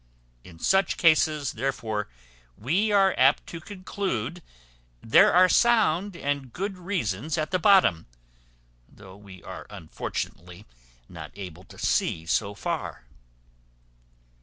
In such cases, therefore, we are apt to conclude there are sound and good reasons at the bottom, though we are unfortunately not able to see so far.